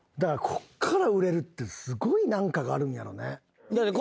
こっから売れるってすごい何かがあるんやろね。